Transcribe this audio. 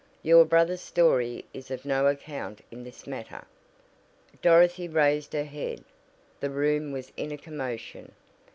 "Your brother's story is of no account in this matter." Dorothy raised her head. The room was in a commotion.